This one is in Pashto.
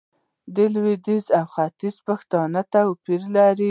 د لويديځ او ختيځ پښتو توپير لري